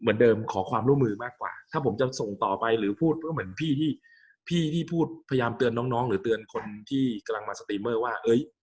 เหมือนเดิมขอความร่วมมือมากกว่าถ้าผมจะส่งต่อไปหรือพูดก็เหมือนพี่ที่พี่ที่พูดพยายามเตือนน้องหรือเตือนคนที่กำลังมาสตรีเมอร์ว่า